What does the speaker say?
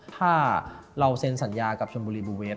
ถ้าเราเซ็นสัญญากับชนบุรีบูเวฟ